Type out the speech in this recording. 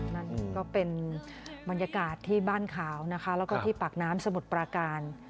นั่นก็เป็นบรรยากาศที่บ้านขาวนะคะแล้วก็ที่ปากน้ำสมุทรปราการ